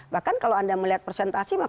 bahkan kalau anda melihat presentasi